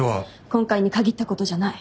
今回に限ったことじゃない。